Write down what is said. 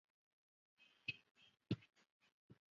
擅长表演莎士比亚戏剧。